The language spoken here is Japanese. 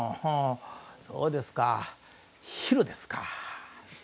そうですか昼ですか。